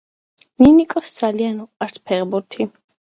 ნინიკოს ძალიან უყვარს ფეხბურთი